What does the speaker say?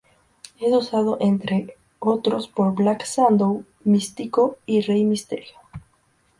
Es usado entre otros por Black Shadow, Místico y Rey Mysterio.